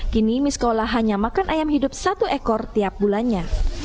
kini miskolah hanya makan ayam hidup satu ekor tiap bulannya